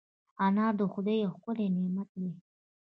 انار د خدای یو ښکلی نعمت دی.